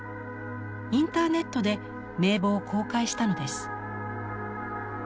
インターネットで名簿を公開したのです。